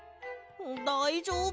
だいじょうぶ？